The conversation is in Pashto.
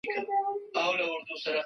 د دورکهايم د ټولنیز واقعیت وضاحت څه دی؟